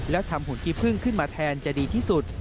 แล้วทำหุ่นขี้พึ่งขึ้นมาแทนจะดีที่สุด